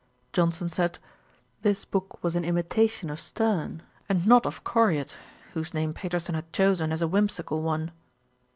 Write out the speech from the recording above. Johnson said, this book was an imitation of Sterne, and not of Coriat, whose name Paterson had chosen as a whimsical one.